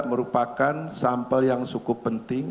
merupakan sampel yang cukup penting